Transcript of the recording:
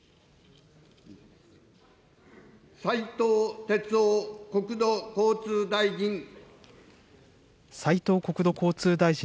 斉藤鉄夫国土交通大臣。